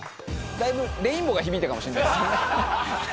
だいぶレインボーが響いたかもしれないですね。